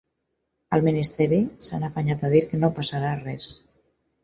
Al ministeri s’han afanyat a dir que no passarà res.